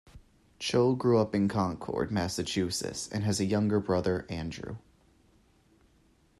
Cho grew up in Concord, Massachusetts, and has a younger brother, Andrew.